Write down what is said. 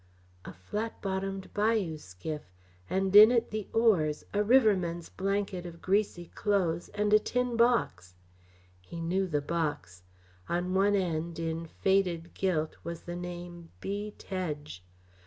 A flat bottomed bayou skiff, and in it the oars, a riverman's blanket roll of greasy clothes, and a tin box! He knew the box. On one end, in faded gilt, was the name "B. Tedge."